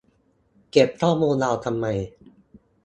เก็บข้อมูลเราทำไม ?